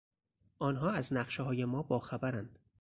آنها از نقشههای ما باخبرند.